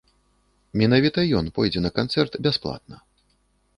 Менавіта ён пойдзе на канцэрт бясплатна.